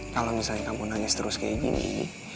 kalau misalnya kamu nangis terus kayak gini